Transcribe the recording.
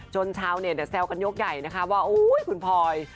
จนชาวแซวกันยกใหญ่นะคะว่าโอ๊ยคุณพลอย